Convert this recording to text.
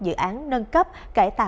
dự án nâng cấp cải thiện